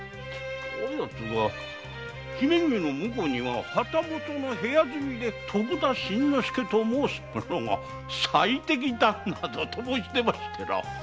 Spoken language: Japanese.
あ奴が「姫君の婿には旗本の部屋住みで徳田新之助と申す者が最適だ」などと申し出ましてな。